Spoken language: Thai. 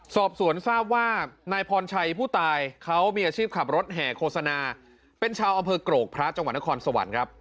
สอบสวนทราบว่านายพรชัยผู้ตายเขามีอาชีพขับรถแห่โฆษณาเป็นชาวอำเภอกรกพระจังหวัดนครสวรรค์ครับ